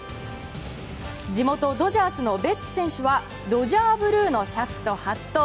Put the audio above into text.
地元ドジャースのベッツ選手はドジャーブルーの入ったシャツとハット。